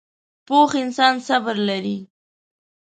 پوخ انسان صبر لري